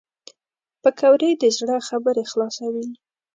پکورې د زړه خبرې خلاصوي